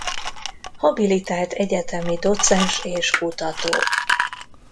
Habilitált egyetemi docens és kutató.